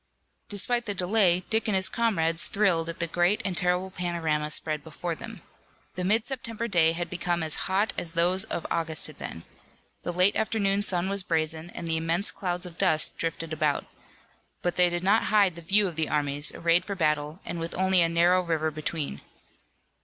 Despite the delay, Dick and his comrades, thrilled at the great and terrible panorama spread before them. The mid September day had become as hot as those of August had been. The late afternoon sun was brazen, and immense clouds of dust drifted about. But they did not hide the view of the armies, arrayed for battle, and with only a narrow river between.